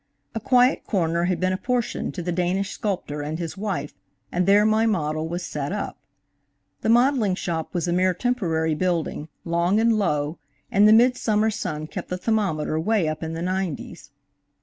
A quiet corner had been apportioned to the Danish sculptor and his wife, and there my model was set up. The modeling shop was a mere temporary building, long and low, and the midsummer sun kept the thermometer way up in the nineties.